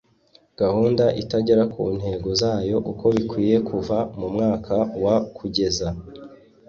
Gahunda itagera ku ntego zayo uko bikwiye Kuva mu mwaka wa kugeza